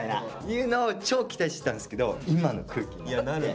いうのを超期待してたんですけど今の空気になって。